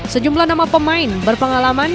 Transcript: sejumlah nama pemain berpengalaman